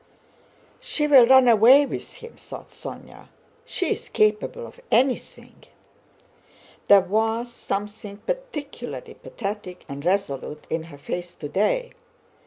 "She will run away with him!" thought Sónya. "She is capable of anything. There was something particularly pathetic and resolute in her face today.